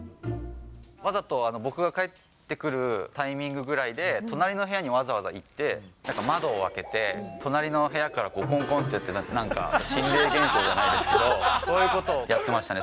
わざと僕が帰ってくるタイミングぐらいで、隣の部屋にわざわざ行って、なんか窓を開けて、隣の部屋からこんこんってやって、なんか心霊現象じゃないですけど、そういうことをやってましたね。